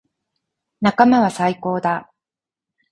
仲間は最高だ。